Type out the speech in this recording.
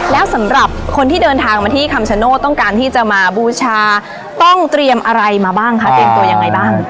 แล้วสำหรับคนที่เดินทางมาที่คำชโนธต้องการที่จะมาบูชาต้องเตรียมอะไรมาบ้างคะเตรียมตัวยังไงบ้าง